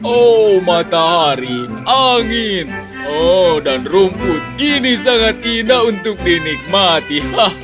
oh matahari angin oh dan rumput ini sangat indah untuk dinikmati